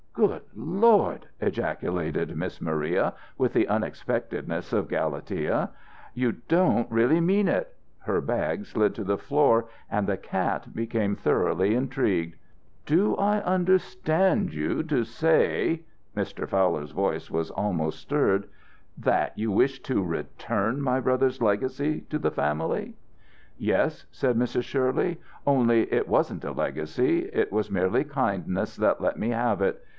"Good Lord!" ejaculated Miss Maria with all the unexpectedness of Galatea. "You don't really mean it?" Her bag slid to the floor and the cat became thoroughly intrigued. "Do I understand you to say" Mr. Fowler's voice was almost stirred "that you wish to return my brother's legacy to the family?" "Yes," said Mrs. Shirley, "only, it wasn't a legacy. It was merely kindness that let me have it.